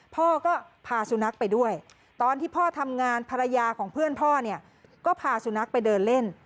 พ่อก็พาสุนัขไปด้วยตอนที่พ่อทำงานภรรยาของเพื่อนพ่อเนี่ยก็พาสุนัขไปเดินเล่น